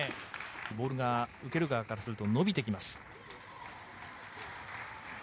ボールを受ける側からすると伸びてきます。